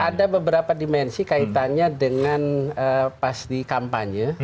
ada beberapa dimensi kaitannya dengan pas di kampanye